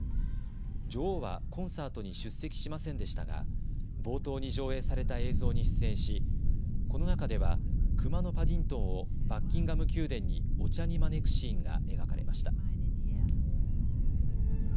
女王はコンサートに出席しませんでしたが冒頭に上映された映像に出演し、この中ではくまのパディントンをバッキンガム宮殿にお茶に招くシーンが描かれました。